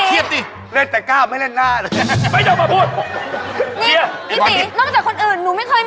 เฮ้ยเขาว่าทันเตี้ย